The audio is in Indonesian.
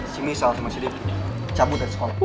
si misal sama si dip cabut dari sekolah